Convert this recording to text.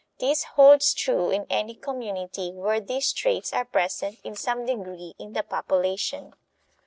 This holds true in any community where these traits are present in some degree in the population.